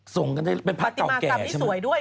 ส่งกันได้เป็นพระเก่าแก่ใช่ไหมปฏิมากรรมที่สวยด้วย